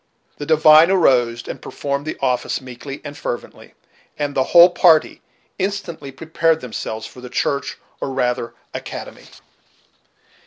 The divine arose and performed the office meekly and fervently, and the whole party instantly prepared themselves for the church or rather academy.